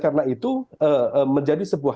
karena itu menjadi sebuah